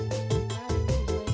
dengerkan di sini